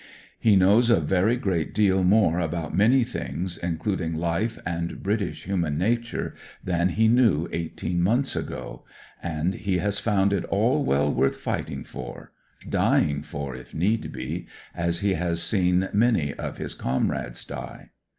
He knows a very great deal more about many things, including life and British human nature, than he knew eighteen months ago, and he has found it all well worth fighting for; dying for, if need be, as he has seen many of his comrades die.